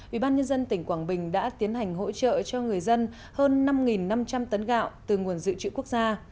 ubnd tỉnh quảng bình đã tiến hành hỗ trợ cho người dân hơn năm năm trăm linh tấn gạo từ nguồn dự trữ quốc gia